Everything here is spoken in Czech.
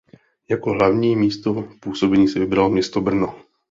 Jako hlavní místo působení si vybral město Brno.